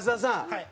はい。